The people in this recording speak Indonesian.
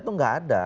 itu tidak ada